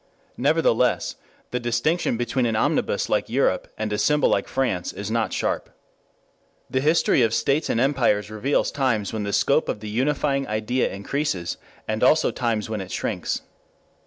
Nevertheless the distinction between an omnibus like Europe and a symbol like France is not sharp. The history of states and empires reveals times when the scope of the unifying idea increases and also times when it shrinks.